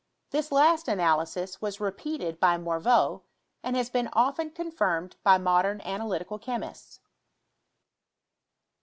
This last analysis was repeated by Morveau, and has been often confirmed by modern analytical chemists.